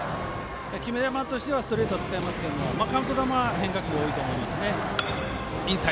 決め球としてはストレートを使いますけどカウント球は変化球が多いと思いますね。